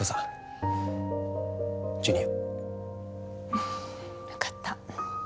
うん分かった。